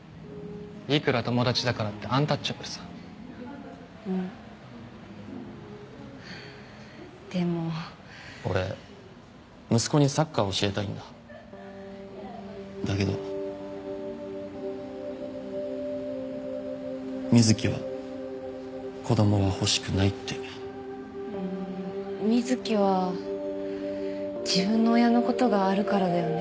いくら友達だからってアンタッチャブルさうんでも俺息子にサッカー教えたいんだだけど瑞貴は子どもは欲しくないって瑞貴は自分の親のことがあるからだよね